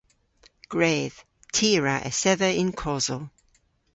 Gwredh. Ty a wra esedha yn kosel.